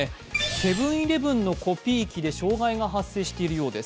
セブン−イレブンのコピー機で障害が発生しているようです。